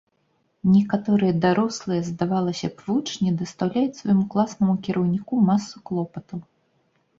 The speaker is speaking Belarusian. Некаторыя дарослыя, здавалася б, вучні дастаўляюць свайму класнаму кіраўніку масу клопатаў.